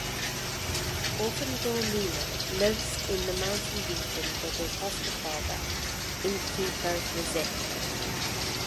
Orphan girl Nina lives in the mountain region with her foster father innkeeper Rezek.